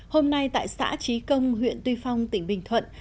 hôm nay tại xã trí công huyện tuy phong tỉnh bình thuận